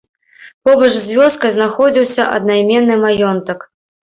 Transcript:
Побач з вёскай знаходзіўся аднайменны маёнтак.